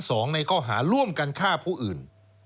ในข้อหาร่วมกันฆ่าผู้อื่น